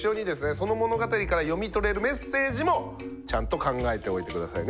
その物語から読み取れるメッセージもちゃんと考えておいて下さいね